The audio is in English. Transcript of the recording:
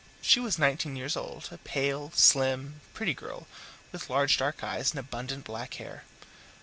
She was nineteen years old, a pale, slim, pretty girl, with large dark eyes and abundant black hair.